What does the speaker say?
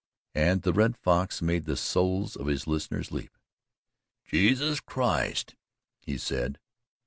And the Red Fox made the souls of his listeners leap. "Jesus Christ," he said.